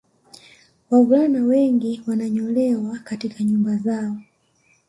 Wavulana wengi wananyolewa katika nyumba zao